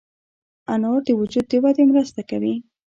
انار د وجود د ودې مرسته کوي.